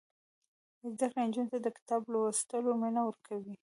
زده کړه نجونو ته د کتاب لوستلو مینه ورکوي.